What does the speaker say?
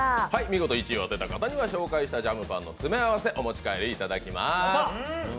見事１位を当てた方には紹介したジャムパンの詰め合わせをお持ち帰りいただきます。